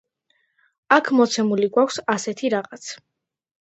აქ, მოცემული გვაქვს ასეთი რაღაც.